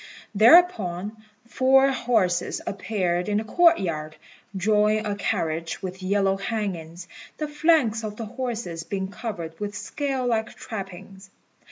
Thereupon four horses appeared in the court yard, drawing a carriage with yellow hangings, the flanks of the horses being covered with scale like trappings.